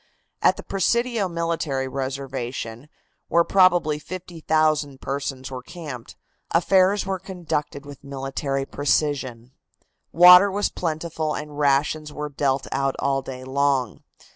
At the Presidio military reservation, where probably 50,000 persons were camped, affairs were conducted with military precision. Water was plentiful and rations were dealt out all day long.